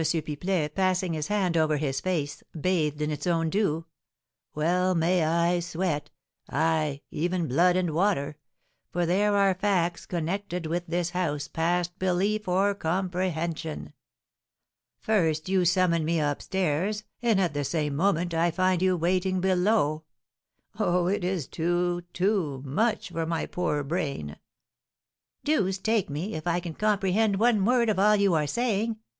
Pipelet, passing his hand over his face, bathed in its own dew; "well may I sweat, ay, even blood and water, for there are facts connected with this house past belief or comprehension. First, you summon me up stairs, and, at the same moment, I find you waiting below! Oh, it is too, too much for my poor brain!" "Deuce take me, if I can comprehend one word of all you are saying!